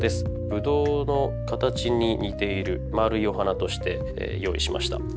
ブドウの形に似ている丸いお花として用意しました。